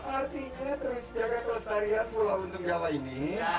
artinya terus jaga kelestarian pulau untung jawa ini